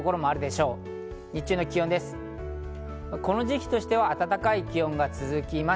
この時期としては暖かい気温が続きます。